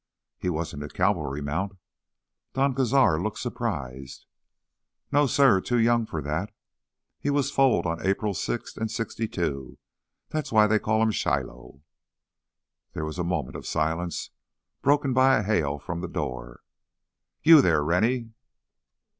"He wasn't a cavalry mount?" Don Cazar looked surprised. "No, suh. Too young for that. He was foaled on April sixth in sixty two. That's why they called him Shiloh." There was a moment of silence, broken by a hail from the door. "You there—Rennie!"